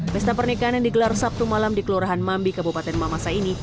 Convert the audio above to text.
pesta pernikahan yang digelar sabtu malam di kelurahan mambi kabupaten mamasa ini